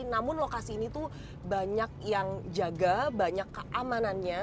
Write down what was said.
namun lokasi ini tuh banyak yang jaga banyak keamanannya